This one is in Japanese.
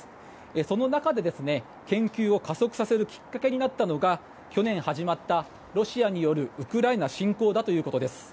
その中で、研究を加速させるきっかけになったのが去年始まったロシアによるウクライナ侵攻だということです。